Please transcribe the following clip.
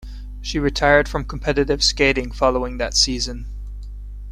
She retired from competitive skating following that season.